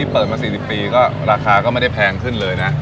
ภาพค่าไม่ได้แพงขึ้นเลยนะ